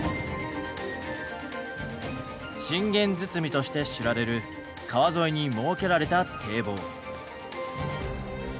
信玄堤として知られる川沿いに設けられた堤防。